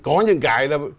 có những cái là